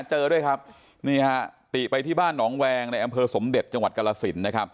เจอด้วยครับนี่ฮะติไปที่บ้านหนองแวงในอำเภอสมเด็จจังหวัดกรสินนะครับ